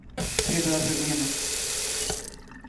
Pedro Avelino